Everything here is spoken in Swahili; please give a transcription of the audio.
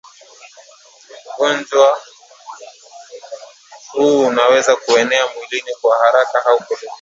Ugonjwa huu unaweza kuenea mwilini kwa haraka au polepole